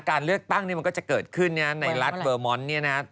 การเลือกตั้งมันก็จะเกิดขึ้นในรัฐเฟอร์มอนต์